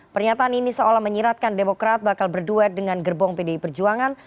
pernyataan ini seolah menyiratkan demokrat bakal berduet dengan gerbong pdi perjuangan